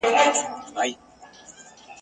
که مرغه وو که ماهی د ده په کار وو ..